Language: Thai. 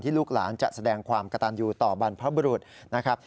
ลูกหลานจะแสดงความกระตันอยู่ต่อบรรพบุรุษนะครับ